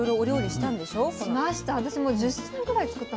しました。